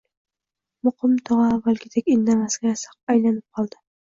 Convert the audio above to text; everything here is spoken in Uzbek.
Muqim tog`a avvalgidek indamasga aylanib qoldi